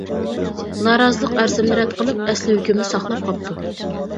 نارازىلىق ئەرزىمنى رەت قىلىپ، ئەسلى ھۆكۈمنى ساقلاپ قاپتۇ.